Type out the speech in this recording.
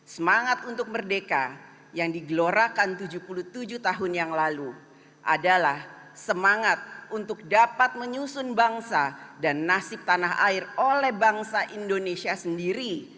semangat untuk merdeka yang digelorakan tujuh puluh tujuh tahun yang lalu adalah semangat untuk dapat menyusun bangsa dan nasib tanah air oleh bangsa indonesia sendiri